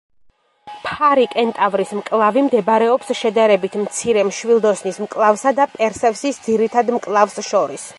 ფარი-კენტავრის მკლავი მდებარეობს შედარებით მცირე მშვილდოსნის მკლავსა და პერსევსის ძირითად მკლავს შორის.